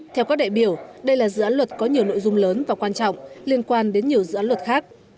theo các đại biểu đây là dự án luật có nhiều nội dung lớn và quan trọng liên quan đến nhiều dự án luật khác